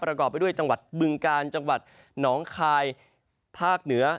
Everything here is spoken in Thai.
ประกอบไปด้วยจังหวัดบึงกาลจังหวัดหนองคายภาคเหนือ